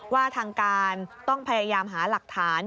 ว่าทางการต้องพยายามหาหลักฐาน